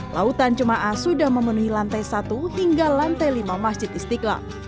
lautan jemaah sudah memenuhi lantai satu hingga lantai lima masjid istiqlal